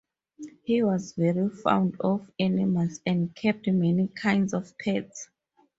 He was very fond of animals and kept many kinds of pets.